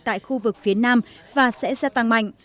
tại khu vực phía nam và sẽ gia tăng mạnh